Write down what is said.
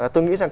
tôi nghĩ rằng